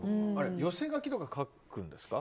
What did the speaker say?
寄せ書きとか書くんですか？